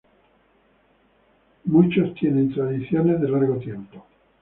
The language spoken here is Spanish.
Muchos tienen tradiciones de largo tiempo.